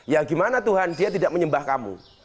ya gimana tuhan dia tidak menyembah kamu